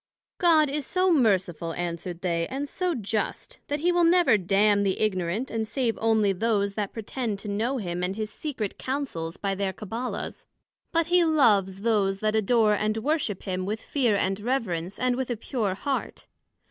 God is so merciful, answered they, and so just, that he will never damn the ignorant, and save onely those that pretend to know him and his secret Counsels by their Cabbala's; but he loves those that adore and worship him with fear and reverence, and with a pure heart.